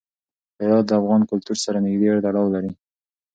هرات د افغان کلتور سره نږدې تړاو لري.